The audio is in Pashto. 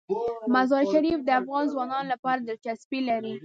مزارشریف د افغان ځوانانو لپاره دلچسپي لري.